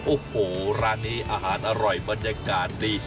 โอ้โหร้านนี้อาหารอร่อยบรรยากาศดี